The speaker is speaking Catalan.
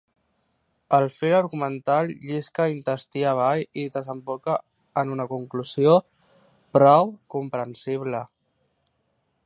El fil argumental llisca intestí avall i desemboca en una conclusió prou comprensible.